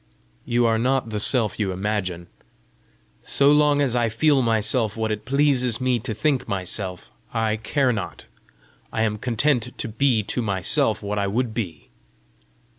"You are not the Self you imagine." "So long as I feel myself what it pleases me to think myself, I care not. I am content to be to myself what I would be.